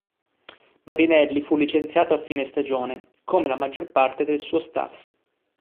Marinelli fu licenziato a fine stagione come la maggior parte del suo staff.